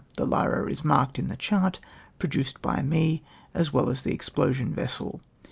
The Lyra is marked in the chart produced by me, as well as the explosion vessel.